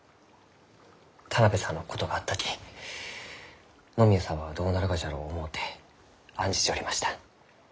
田邊さんのことがあったき野宮さんはどうなるがじゃろう思うて案じちょりました。